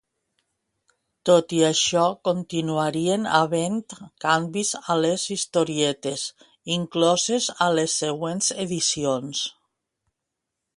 Tot i això continuarien havent canvis a les historietes incloses a les següents edicions.